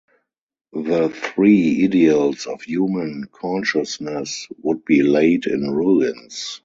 The three ideals of human consciousness would be laid in ruins.